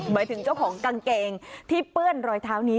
หมายถึงเจ้าของกางเกงที่เปื้อนรอยเท้านี้